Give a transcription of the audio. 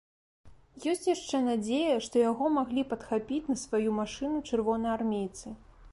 Ёсць яшчэ надзея, што яго маглі падхапіць на сваю машыну чырвонаармейцы.